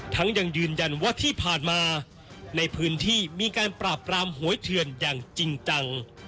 ยังยืนยันว่าที่ผ่านมาในพื้นที่มีการปราบรามหวยเถื่อนอย่างจริงจัง